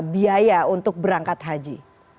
biaya untuk berangkat haji